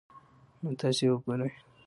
نو تاسي ئې وګورئ